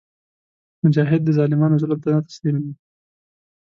مجاهد د ظالمانو ظلم ته نه تسلیمیږي.